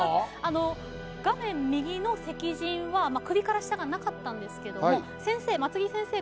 画面右の石人は首から下がなかったんですけども松木先生